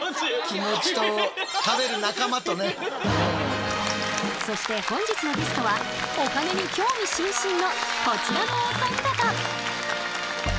気持ちとそして本日のゲストはお金に興味津々のこちらのお三方！